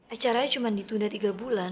acaranya cuma ditunda tiga bulan